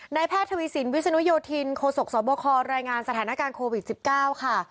แพทย์ทวีสินวิศนุโยธินโคศกสบครายงานสถานการณ์โควิด๑๙ค่ะ